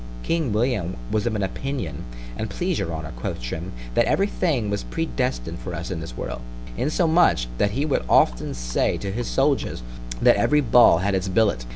King William was of an opinion, an' please your honour, quoth Trim, that every thing was predestined for us in this world; insomuch, that he would often say to his soldiers, that "every ball had its billet."